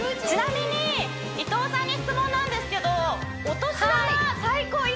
ちなみに伊藤さんに質問なんですけどお年玉